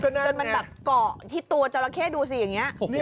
จนมันแบบเกาะที่ตัวจราเข้ดูสิอย่างนี้